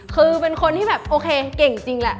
คือเป็นคนที่แบบโอเคเก่งจริงแหละ